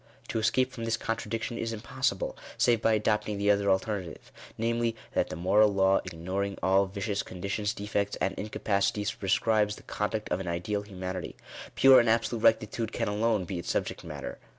To escape from this contradiction is impossible, save by adopting the other alternative; namely, that the moral law ignoring all vicious conditions, defects, and incapacities, prescribes the con duct of an ideal humanity. Pure and absolute rectitude can alone be its subject matter.